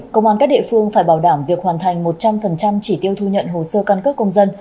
công an các địa phương phải bảo đảm việc hoàn thành một trăm linh chỉ tiêu thu nhận hồ sơ căn cước công dân